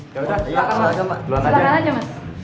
ya udah silahkan aja mas